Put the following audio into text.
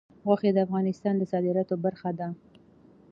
غوښې د افغانستان د صادراتو برخه ده.